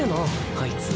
あいつ。